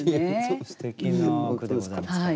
すてきな句でございますね。